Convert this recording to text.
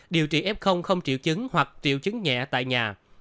điều trị f không triệu chứng hoặc triệu chứng nhẹ tại nhà